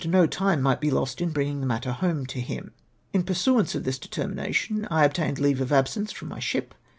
333 no time might be lost in bringing the matter home to him. In pnrsnance of this determination I obtained leave of absence from the ship.